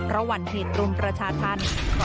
ระหว่างเหตุรุมประชาธรรม